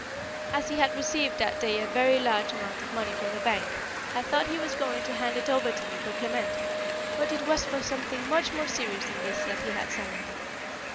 As he had received that day a very large amount of money from the bank, I thought he was going to hand it over to me for Clement, but it was for something much more serious than this he had summoned me.